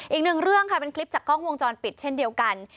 อีกหนึ่งเรื่องค่ะเป็นคลิปจากกล้องวงจรปิดเช่นเดียวกัน